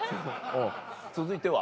続いては？